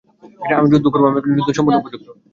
আমি যুদ্ধ করব আমি এখন যুদ্ধের সম্পূর্ণ উপযুক্ত।